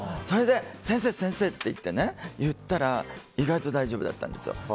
それで先生、先生って言ったら意外と大丈夫だったんですよ。